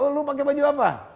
lu pakai baju apa